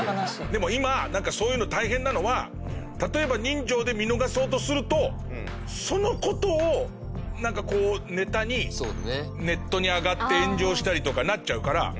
でも今なんかそういうの大変なのは例えば人情で見逃そうとするとその事をなんかこうネタにネットに上がって炎上したりとかなっちゃうから。